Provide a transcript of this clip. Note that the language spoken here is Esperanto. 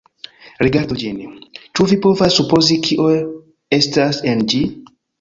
Rigardu ĝin; ĉu vi povas supozi kio estas en ĝi?